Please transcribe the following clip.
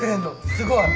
すごい！